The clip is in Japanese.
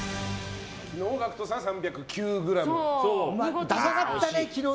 昨日、ＧＡＣＫＴさん３０９ｇ。